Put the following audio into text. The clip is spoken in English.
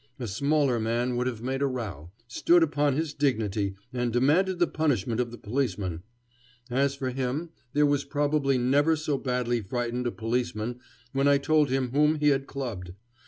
A smaller man would have made a row, stood upon his dignity and demanded the punishment of the policeman. As for him, there was probably never so badly frightened a policeman when I told him whom he had clubbed.